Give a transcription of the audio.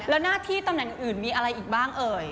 แล้วหน้าที่ตำแหน่งอื่นมีอะไรอีกบ้างเอ่ย